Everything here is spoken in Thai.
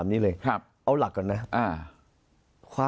มุมนักวิจักรการมุมประชาชนทั่วไป